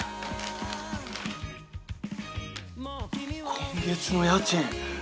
今月の家賃！